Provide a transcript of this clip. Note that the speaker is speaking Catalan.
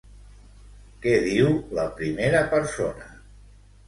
Què diu la primera persona?